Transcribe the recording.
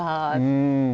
うん。